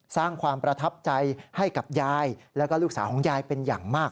สร้างความประทับใจให้กับยายแล้วก็ลูกสาวของยายเป็นอย่างมาก